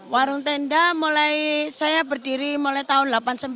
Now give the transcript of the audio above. warung tenda mulai saya berdiri mulai tahun delapan puluh sembilan